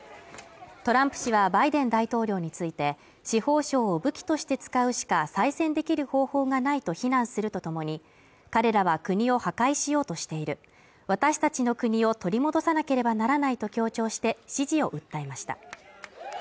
トランプ氏はバイデン大統領について、司法省を武器として使うしか再選できる方法がないと非難するとともに、彼らは国を破壊しようとしている私達の国を取り戻さなければならないと強調して支持を訴えました。